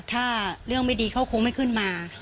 ถ้าเรื่องไม่ดีเขาคงไม่ขึ้นมา